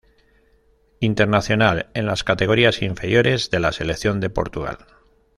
Internacional en las categorías inferiores de la selección de Portugal.